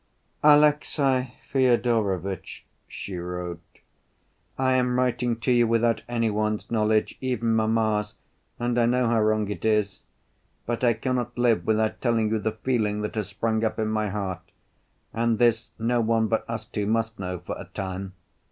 "Alexey Fyodorovitch," she wrote, "I am writing to you without any one's knowledge, even mamma's, and I know how wrong it is. But I cannot live without telling you the feeling that has sprung up in my heart, and this no one but us two must know for a time.